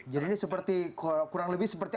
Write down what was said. jadi ini seperti kurang lebih seperti